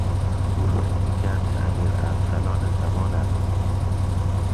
او فکر میکرد که امیر ارسلان زمان است.